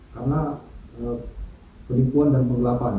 karena penipuan dan penggelapan